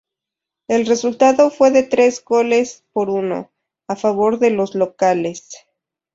El resultado fue de tres goles por uno, a favor de los locales.